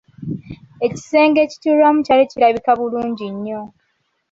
Ekisenge ekituulwamu ekyali kirabika bulungi nnyo.